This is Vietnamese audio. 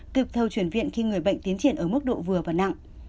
cực thâu chuyển viện khi người bệnh tiến triển ở mức độ vừa và nặng